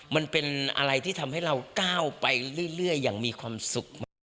มันเป็นอะไรที่ทำให้เราก้าวไปเรื่อยอย่างมีความสุขมาก